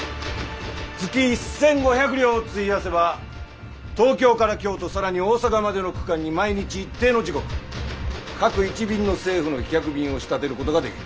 月１千５００両を費やせば東京から京都更に大阪までの区間に毎日一定の時刻各１便の政府の飛脚便を仕立てることができる。